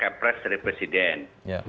kepres dari presiden